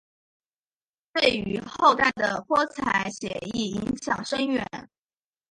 对于后代的泼彩写意影响深远。